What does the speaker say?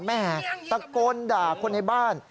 แม่ตะโกนด่าคนในบ้าน